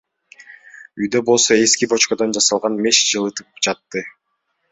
Үйдү болсо эски бочкадан жасалган меш жылытып жатты.